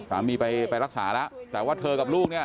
สามีไปรักษาแล้วแต่ว่าเธอกับลูกเนี่ย